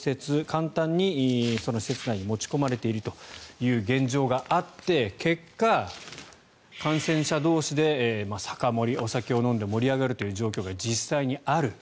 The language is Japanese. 簡単にその施設内に持ち込まれているという現状があって結果、感染者同士で酒盛りお酒を飲んで盛り上がるという状況が実際にある。